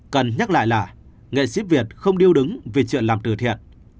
cần nhắc lại nghệ sĩ việt không điêu đứng vì chuyện làm từ thiện